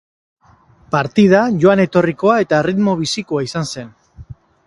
Partida joan etorrikoa eta erritmo bizikoa izan zen.